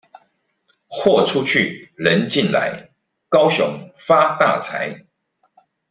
貨出去、人進來，高雄發大財！